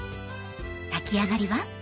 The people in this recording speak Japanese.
炊きあがりは？